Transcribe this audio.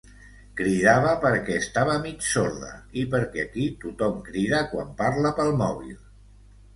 Cridava perquè estava mig sorda i perquè aquí tothom crida quan parla pel mòbil.